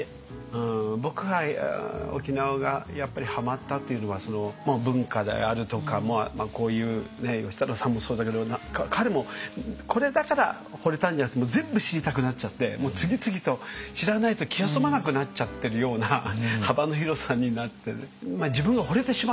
うん僕は沖縄がハマったっていうのは文化であるとかこういう芳太郎さんもそうだけど彼もこれだからほれたんじゃなくて全部知りたくなっちゃって次々と知らないと気が済まなくなっちゃってるような幅の広さになってる。